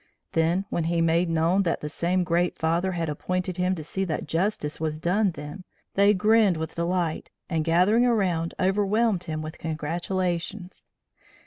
Then, when he made known that the same Great Father had appointed him to see that justice was done them, they grinned with delight and gathering around, overwhelmed him with congratulations.